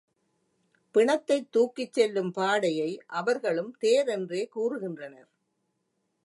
பிணத்தைத் தூக்கிச் செல்லும் பாடையை அவர்களும் தேர் என்றே கூறுகின்றனர்.